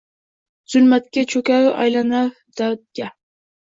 Zulmatga cho’karu aylanar dardga.